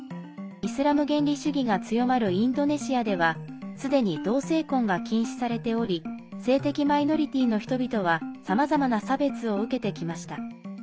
イスラム原理主義が強まるインドネシアではすでに、同性婚が禁止されており性的マイノリティーの人々はさまざまな差別を受けてきました。